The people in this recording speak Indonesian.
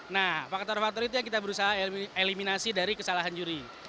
nah faktor faktor itu yang kita berusaha eliminasi dari kesalahan juri